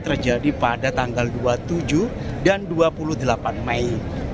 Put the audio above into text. terjadi pada tanggal dua puluh tujuh dan dua puluh delapan mei